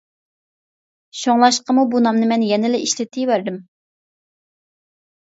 شۇڭلاشقىمۇ بۇ نامنى مەن يەنىلا ئىشلىتىۋەردىم.